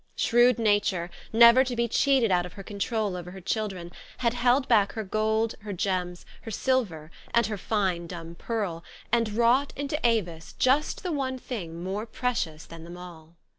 Shrewd Nature, never to be cheated out of her control over her children, held back her gold, her gems, her sil ver, and her fine, dumb pearl, and wrought into Avis just the one thing more precious than they all.